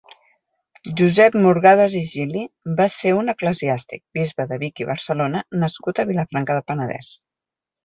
Josep Morgades i Gili va ser un eclesiàstic, bisbe de Vic i Barcelona nascut a Vilafranca del Penedès.